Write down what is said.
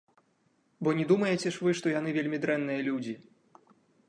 Бо не думаеце ж вы, што яны вельмі дрэнныя людзі!